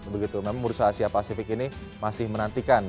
begitu memang bursa asia pasifik ini masih menantikan